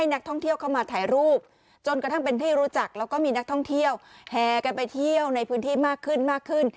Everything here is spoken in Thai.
นักท่องเที่ยวเข้ามาถ่ายรูปจนกระทั่งเป็นที่รู้จักแล้วก็มีนักท่องเที่ยวแห่กันไปเที่ยวในพื้นที่มากขึ้นมากขึ้น